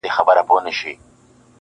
د حج پچه کي هم نوم د خان را ووت ,